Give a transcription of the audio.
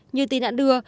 như tin đã đưa